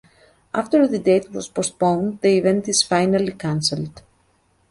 After the date was postponed, the event is finally cancelled.